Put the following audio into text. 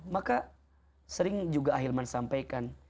maka sering juga ahilman sampaikan